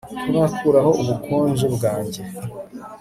Ntarakuraho ubukonje bwanjye